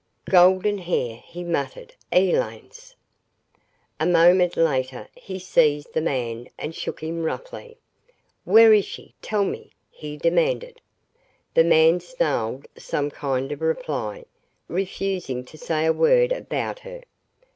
"Golden hair," he muttered. "Elaine's!" A moment later he seized the man and shook him roughly. "Where is she tell me?" he demanded. The man snarled some kind of reply, refusing to say a word about her.